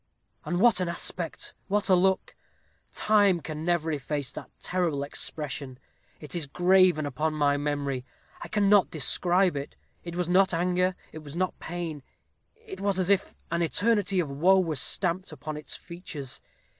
And what an aspect, what a look! Time can never efface that terrible expression; it is graven upon my memory I cannot describe it. It was not anger it was not pain: it was as if an eternity of woe were stamped upon its features.